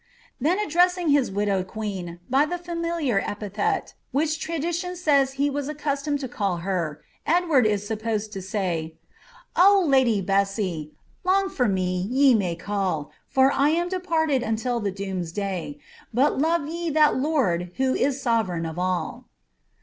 TliCn addressing his widowed queen by the familiar epithet which tra dition says he was accustomed to call her, Edward is supposed to say — 0h! Lady Bessee, long for me ye may call! For I am departed until the doomsday ; But love ye that Lord who is sovereign of all."